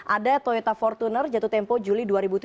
ada toyota fortuner jatuh tempo juli dua ribu tujuh belas